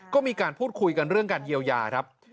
ก็มีการพูดคุยกันเรื่องการเยียวยาครับ